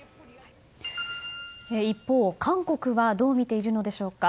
一方、韓国はどう見ているのでしょうか。